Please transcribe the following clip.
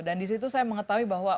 dan di situ saya mengetahui bahwa